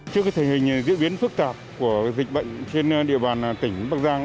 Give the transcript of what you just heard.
trước thời hình diễn biến phức tạp của dịch bệnh trên địa bàn tỉnh bắc giang